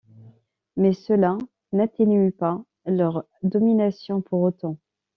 Mais cela n'atténue pas leur domination pour autant.